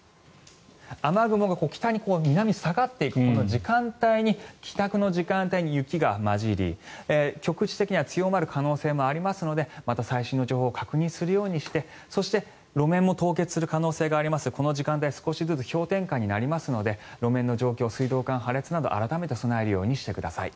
雨雲が北から南に下がっていく時間帯に帰宅の時間帯に雪が交じり局地的には強まる可能性がありますのでまた最新の情報を確認するようにして路面も凍結する可能性がありますのでこの時間帯少しずつ氷点下になりますので路面の状況、水道管破裂など改めて備えるようにしてください。